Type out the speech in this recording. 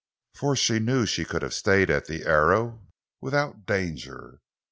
For she knew that she could have stayed at the Arrow without danger.